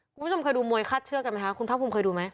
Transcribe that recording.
คุณผู้ชมเคยดูมวยฆาตเชือกันมั้ยคะคุณภาพภูมิเคยดูมั้ย